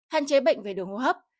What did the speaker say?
hạn chế bệnh về đường hô hấp